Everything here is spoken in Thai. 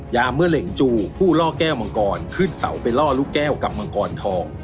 ยาเมื่อเหล่งจูผู้ล่อแก้วมังกรขึ้นเสาไปล่อลูกแก้วกับมังกรทอง